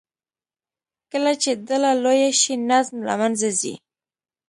کله چې ډله لویه شي، نظم له منځه ځي.